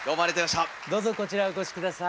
どうぞこちらへお越し下さい。